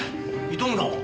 糸村は？